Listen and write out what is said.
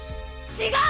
違う！